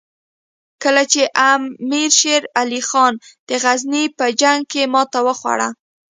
کله چې امیر شېر علي خان د غزني په جنګ کې ماته وخوړه.